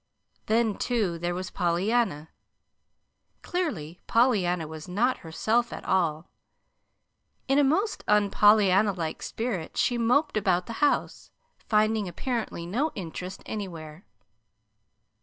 Then, too, there was Pollyanna. Clearly Pollyanna was not herself at all. In a most unPollyanna like spirit she moped about the house, finding apparently no interest anywhere.